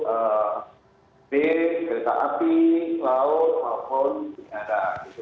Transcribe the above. ee kereta api laut maupun udara